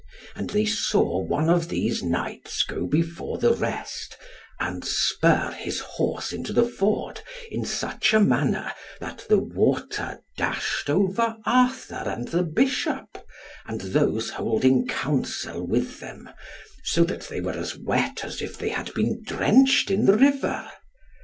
And they saw one of these knights go before the rest, and spur his horse into the ford in such a manner that the water dashed over Arthur and the Bishop, and those holding counsel with them, so that they were as wet as if they had been drenched in the river.